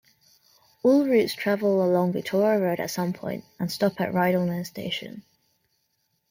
All routes travel along Victoria Road at some point and stop at Rydalmere Station.